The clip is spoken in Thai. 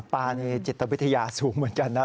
ป้านี่จิตวิทยาสูงเหมือนกันนะ